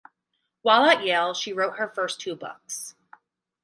While at Yale she wrote her first two books.